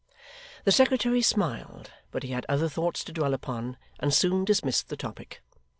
The secretary smiled, but he had other thoughts to dwell upon, and soon dismissed the topic.